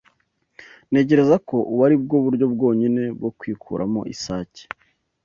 Ntekereza ko ubu aribwo buryo bwonyine bwo kwikuramo isake.